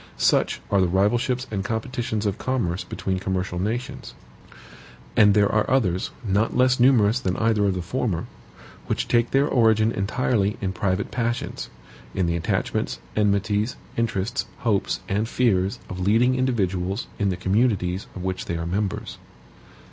Such are the rivalships and competitions of commerce between commercial nations. And there are others, not less numerous than either of the former, which take their origin entirely in private passions; in the attachments, enmities, interests, hopes, and fears of leading individuals in the communities of which they are members.